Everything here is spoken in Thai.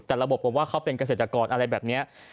แต่ระบบบอกว่าเขาเป็นเกษตรกรอะไรแบบนี้